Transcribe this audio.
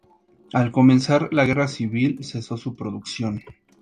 Al comenzar la Guerra Civil, cesó su producción.